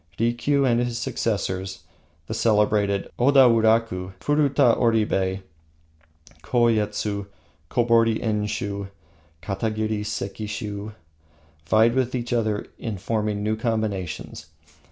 Rikiu and his successors, the celebrated Oda wuraka, Furuka Oribe, Koyetsu, Kobori Enshiu, Katagiri Sekishiu, vied with each other in forming new combinations.